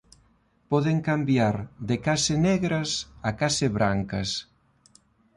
Poden cambiar de case negras a case brancas.